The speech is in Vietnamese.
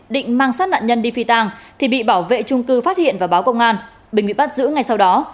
định mang sát nạn nhân đi phi tàng thì bị bảo vệ trung cư phát hiện và báo công an bình bị bắt giữ ngay sau đó